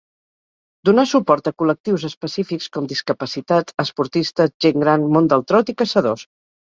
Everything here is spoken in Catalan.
Donà suport a col·lectius específics com discapacitats, esportistes, gent gran, món del trot, i caçadors.